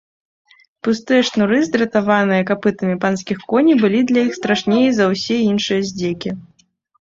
Пустыя шнуры, здратаваныя капытамі панскіх коней, былі для іх страшней за ўсе іншыя здзекі.